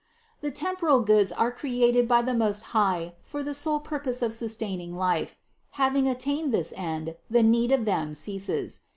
455. The temporal goods are created by the Most High for the sole purpose of sustaining life; having attained this end, the need of them ceases.